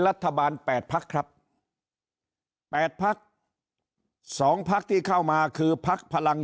รัฐบาล๘พักครับ๘พัก๒พักที่เข้ามาคือพักพลัง